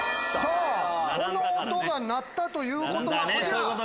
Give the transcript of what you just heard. この音が鳴ったということはこちら！